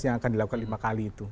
yang akan dilakukan lima kali itu